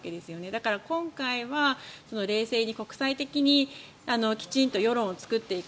だから、今回は冷静に国際的にきちんと世論を作っていく。